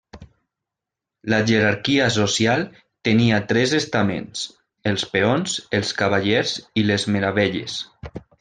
La jerarquia social tenia tres estaments: els peons, els cavallers i les meravelles.